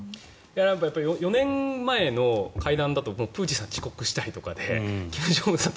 ４年前の会談だとプーチンさん、遅刻したりとかで金正恩さん